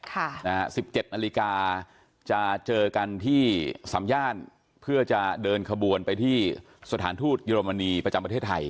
สิบเจ็ดนาฬิกาจะเจอกันที่สามย่านเพื่อจะเดินขบวนไปที่สถานทูตเยอรมนีประจำประเทศไทย